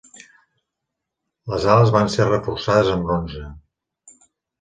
Les ales van ser reforçades amb bronze.